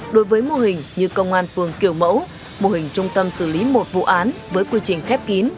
đối với mô hình như công an phường kiểu mẫu mô hình trung tâm xử lý một vụ án với quy trình khép kín